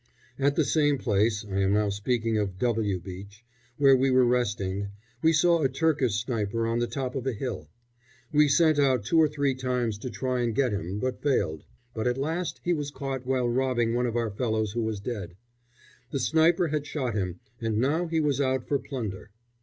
At the same place I am now speaking of W Beach, where we were resting we saw a Turkish sniper on the top of a hill. We sent out two or three times to try and get him, but failed; but at last he was caught while robbing one of our fellows who was dead. The sniper had shot him, and now he was out for plunder.